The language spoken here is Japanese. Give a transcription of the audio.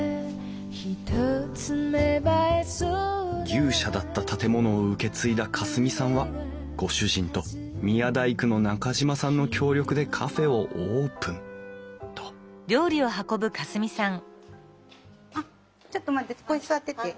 「牛舎だった建物を受け継いだ夏澄さんはご主人と宮大工の中島さんの協力でカフェをオープン」とここに座ってて。